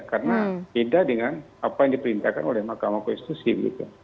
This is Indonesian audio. karena beda dengan apa yang diperintahkan oleh makam konstitusi